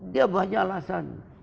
dia banyak alasan